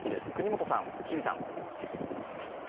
國本さん、日比さん。